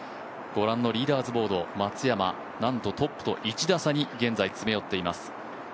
御覧のリーダーズボード、松山、なんとトップと１打差に現在詰め寄っています。